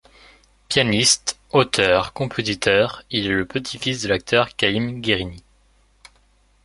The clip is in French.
Pianiste, auteur, compositeur, il est le petit-fils de l'acteur Camille Guérini.